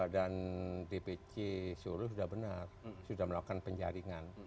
dan dpc sejujurnya sudah benar sudah melakukan penjaringan